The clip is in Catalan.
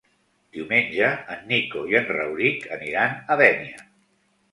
Diumenge en Nico i en Rauric aniran a Dénia.